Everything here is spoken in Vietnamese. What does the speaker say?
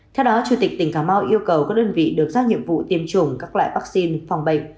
theo đó chủ tịch tỉnh cà mau yêu cầu các đơn vị được giao nhiệm vụ tiêm chủng các loại vaccine phòng bệnh